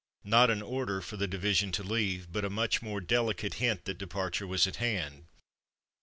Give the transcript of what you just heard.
Not an order for the division to leave, but a much more deHcate hint that departure was at hand.